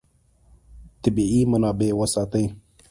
طبیعي منابع وساتئ.